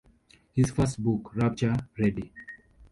His first book, Rapture Ready!